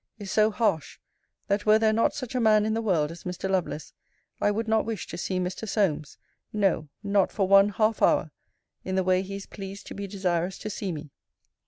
] is so harsh, that were there not such a man in the world as Mr. Lovelace, I would not wish to see Mr. Solmes, no, not for one half hour, in the way he is pleased to be desirous to see me.